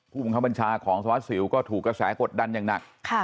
ผู้บังคับบัญชาของสวัสสิวก็ถูกกระแสกดดันอย่างหนัก